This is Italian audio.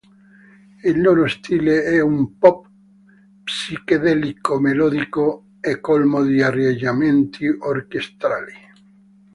Il loro stile è un pop psichedelico melodico e colmo di arrangiamenti orchestrali.